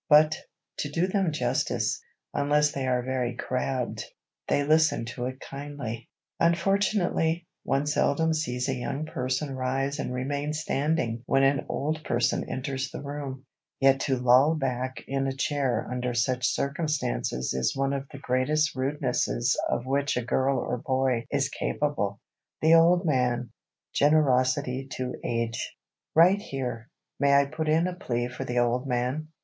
But, to do them justice, unless they are very crabbed, they listen to it kindly. Unfortunately, one seldom sees a young person rise and remain standing when an old person enters the room. Yet to loll back in a chair under such circumstances is one of the greatest rudenesses of which a girl or boy is capable. [Sidenote: THE OLD MAN] [Sidenote: GENEROSITY TO AGE] Right here, may I put in a plea for the old man?